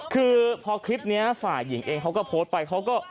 คือพอคลิปนี้ฝ่ายหญิงเองเขาก็โพสต์ไปเขาก็